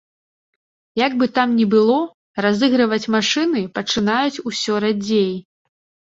Як бы там ні было, разыгрываць машыны пачынаюць усё радзей.